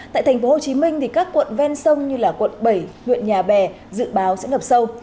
tại tp hcm các quận ven sông như quận bảy huyện nhà bè dự báo sẽ ngập sâu